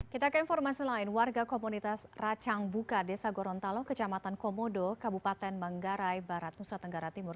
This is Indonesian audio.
kita ke informasi lain warga komunitas racang buka desa gorontalo kecamatan komodo kabupaten manggarai barat nusa tenggara timur